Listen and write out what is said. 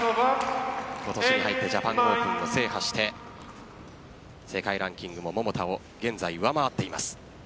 今年に入ってジャパンオープンを制覇して世界ランキングも桃田を現在、上回っています。